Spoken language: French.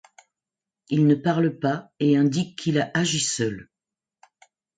Il ne parle pas et indique qu'il a agi seul.